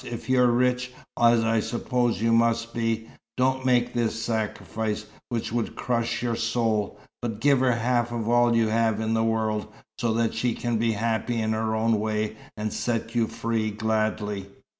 If you're rich, as I suppose you must be, don't make this sacrifice, which would crush your soul, but give her half of all you have in the world, so that she can be happy in her own way, and set you free gladly."